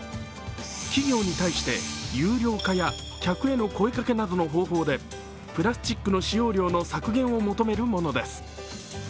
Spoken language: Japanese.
企業に対して、有料化や客への声かけの方法でプラスチックの使用量の削減を求めるものです。